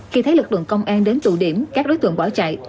khi thấy lực lượng công an đến tụ điểm các đối tượng bỏ chạy